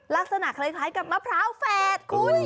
ลักษณะคล้ายกับมะพร้าวแฝดคุณ